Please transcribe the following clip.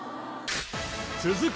続く